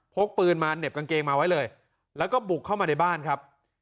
กปืนมาเหน็บกางเกงมาไว้เลยแล้วก็บุกเข้ามาในบ้านครับ